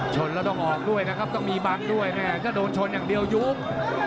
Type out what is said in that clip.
ชนแล้วต้องออกด้วยนะครับต้องมีบังด้วยแม่ก็โดนชนอย่างเดียวยุบ